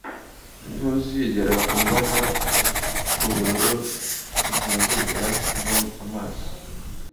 Ntuzigera umbona ubururu ntuzigera mva amaraso